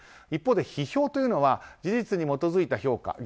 一方で批評というのは事実に基づいた評価。